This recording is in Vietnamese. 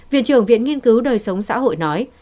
viện trưởng viện nghiên cứu đời sống xã hội nói